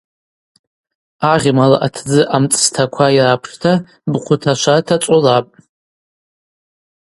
Агъьмала атдзы амцӏстаква йрапшта бхъвы ташварта цӏолапӏ.